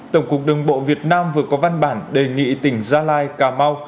tổng cục đường bộ việt nam vừa có văn bản đề nghị tỉnh gia lai cà mau